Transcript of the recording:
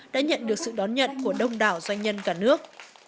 đã nhận được sự đón nhận của đông đảo doanh nhân cả nước